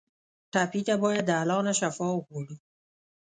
ټپي ته باید د الله نه شفا وغواړو.